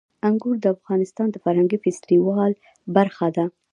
انګور د افغانستان د فرهنګي فستیوالونو برخه ده.